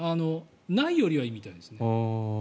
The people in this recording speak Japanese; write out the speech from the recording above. ないよりはいいみたいです。